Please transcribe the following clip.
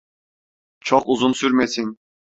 Çok uzun sürmesin.